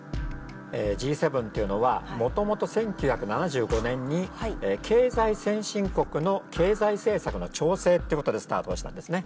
Ｇ７というのはもともと１９７５年に経済先進国の経済政策の調整ってことでスタートしたんですね。